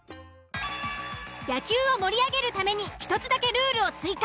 野球を盛り上げるために１つだけルールを追加。